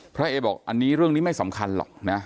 พระเอบอกเรื่องนี้ไม่สำคัญหรอก